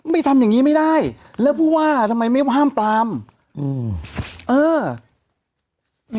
ไม่ทำอย่างงี้ไม่ได้แล้วผู้ว่าทำไมไม่ห้ามปลามอืมเออ